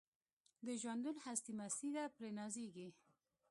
د ژوندون هستي مستي ده پرې نازیږي